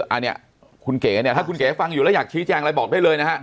อันนี้คุณเก๋เนี่ยถ้าคุณเก๋ฟังอยู่แล้วอยากชี้แจงอะไรบอกได้เลยนะฮะ